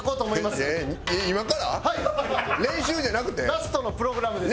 ラストのプログラムです。